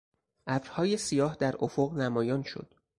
ابرهای سیاه در افق نمایان شد.